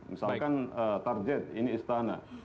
misalkan target ini istana